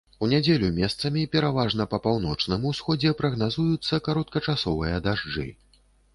У нядзелю месцамі, пераважна па паўночным усходзе, прагназуюцца кароткачасовыя дажджы.